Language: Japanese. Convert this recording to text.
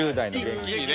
一気にね。